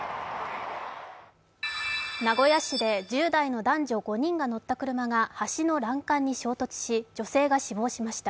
名古屋市で１０代の男女５人が乗った車が橋の欄干に衝突し女性が死亡しました。